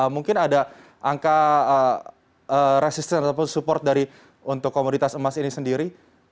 mungkin ada angka resistance atau support untuk komunitas emas ini sendiri